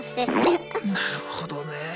なるほどね。